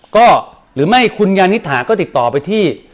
ก็หรือไม่คุณยานิษฐาก็ติดต่อไปที่